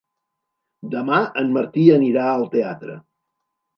Demà en Martí anirà al teatre.